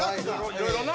いろいろな！